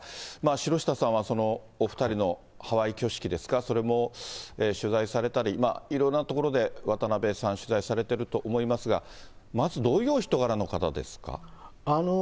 城下さんはお２人のハワイ挙式ですか、それも取材されたり、いろんなところで渡辺さん、取材されていると思いますが、まずどういうお人柄の方ですか。